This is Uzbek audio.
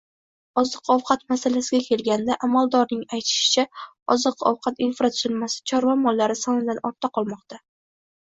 Oziq -ovqat masalasiga kelganda, amaldorning aytishicha, oziq -ovqat infratuzilmasi chorva mollari sonidan ortda qolmoqda